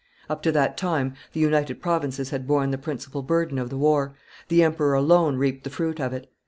Up to that time the United Provinces had borne the principal burden of the war. The emperor alone reaped the fruit of it.